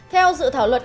theo dự thảo luật